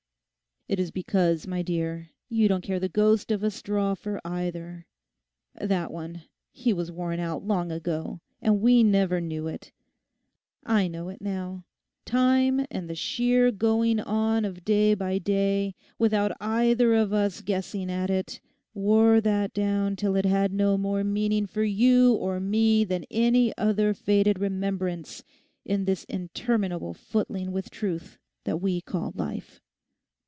'It is because, my dear, you don't care the ghost of a straw for either. That one—he was worn out long ago, and we never knew it. I know it now. Time and the sheer going on of day by day, without either of us guessing at it, wore that down till it had no more meaning for you or me than any other faded remembrance in this interminable footling with truth that we call life.